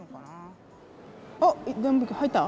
おっ入った？